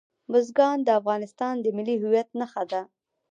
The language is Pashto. بزګان د افغانستان د ملي هویت نښه ده.